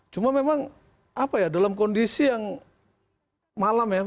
cuma memang apa ya dalam kondisi yang malam ya